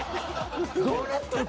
どうなっとる